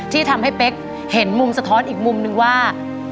ที่ทำให้เป๊กเห็นมุมสะท้อนอีกมุมนึงว่า